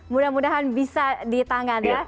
mudah mudahan bisa di tangan ya